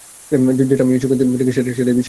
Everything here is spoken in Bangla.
যেটা আমি নিজ চোখে দেখি সেটাই বিশ্বাস করি।